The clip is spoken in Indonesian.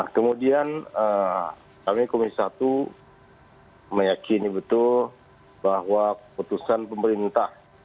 kemudian kami komisi satu meyakini betul bahwa keputusan pemerintah